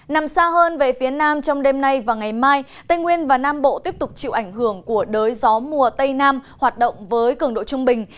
nằm xa hơn về phía nam trong đêm nay và ngày mai tây nguyên và nam bộ tiếp tục chịu ảnh hưởng của đới gió mùa tây nam hoạt động với cường độ trung bình